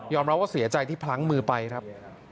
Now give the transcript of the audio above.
รับว่าเสียใจที่พลั้งมือไปครับ